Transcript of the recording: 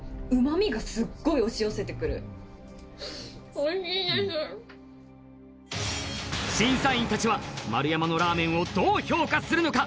おいしいです審査員たちは丸山のラーメンをどう評価するのか？